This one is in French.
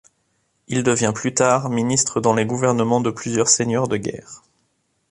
Il devient plus tard ministre dans les gouvernements de plusieurs seigneurs de guerre.